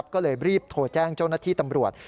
ก็เลยรีบโทรแจ้งเจ้าหน้าที่ตำรวจ